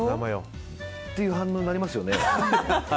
っていう反応になりますよね。